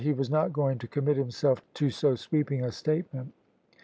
He was not going to commit himself to so sweeping a statement.